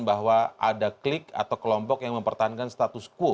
bahwa ada klik atau kelompok yang mempertahankan status quo